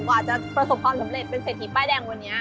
กว่าจะประสบความสำเร็จเป็นเศรษฐีป้ายแดงวันนี้